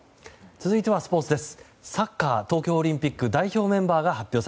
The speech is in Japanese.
続いてはスポーツです。